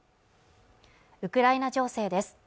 ウクライナ情勢です